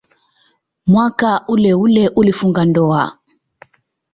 Mwaka uleule alifunga ndoa.